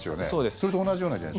それと同じような現象？